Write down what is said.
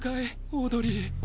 オードリー。